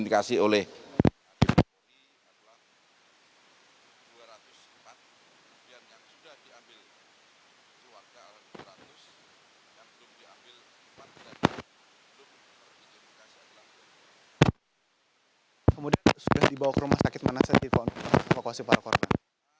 kemudian sudah dibawa ke rumah sakit manas di vakuasi para korban